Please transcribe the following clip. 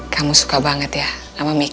kamu suka banget ya sama mic